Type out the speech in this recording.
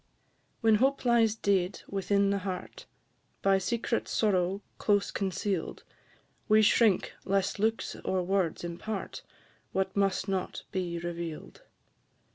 When hope lies dead within the heart, By secret sorrow close conceal'd, We shrink lest looks or words impart What must not be reveal'd.